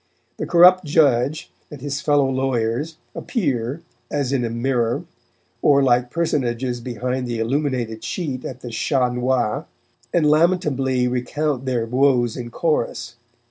The corrupt judge and his fellow lawyers appear, as in a mirror, or like personages behind the illuminated sheet at the "Chat Noir," and lamentably recount their woes in chorus.